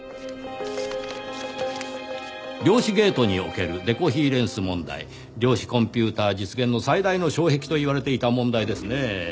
「量子ゲートにおけるデコヒーレンス問題」量子コンピューター実現の最大の障壁と言われていた問題ですねぇ。